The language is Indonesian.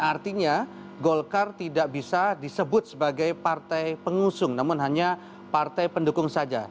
artinya golkar tidak bisa disebut sebagai partai pengusung namun hanya partai pendukung saja